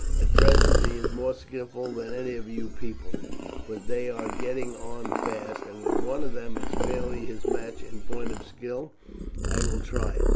At present he is more skilful than any of your people, but they are getting on fast, and when one of them is fairly his match in point of skill I will try it.